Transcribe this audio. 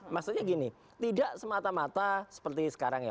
maksudnya gini tidak semata mata seperti sekarang ya